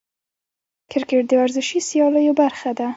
کرکټ د ورزشي سیالیو برخه ده.